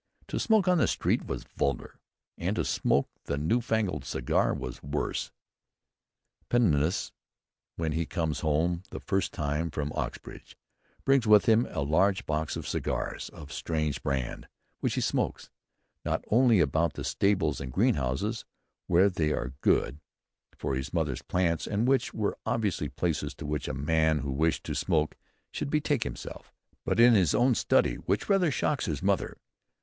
To smoke in the street was vulgar; and to smoke the newfangled cigar was worse. Pendennis, when he comes home the first time from Oxbridge, brings with him a large box of cigars of strange brand, which he smokes "not only about the stables and greenhouses, where they were good" for his mother's plants, and which were obviously places to which a man who wished to smoke should betake himself, but in his own study, which rather shocks his mother.